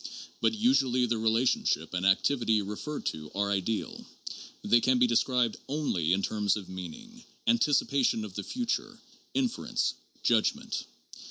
But usually the relationships and activity referred to are ideal, they can be described only in terms of meaning, anticipation of the future, inference, judgment.